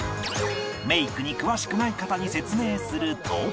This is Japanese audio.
メイクに詳しくない方に説明すると